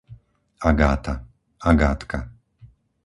Agáta, Agátka